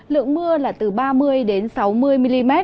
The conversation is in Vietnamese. lượng mưa là từ ba mươi đến sáu mươi mm